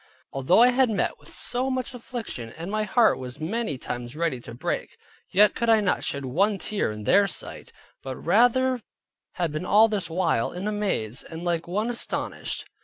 Although I had met with so much affliction, and my heart was many times ready to break, yet could I not shed one tear in their sight; but rather had been all this while in a maze, and like one astonished.